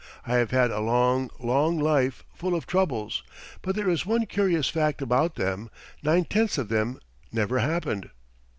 I have had a long, long life full of troubles, but there is one curious fact about them nine tenths of them never happened."